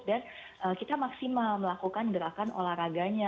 dan kita maksimal melakukan gerakan olahraganya